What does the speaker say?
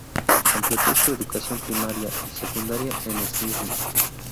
Completó su educación primaria y secundaria en Esmirna.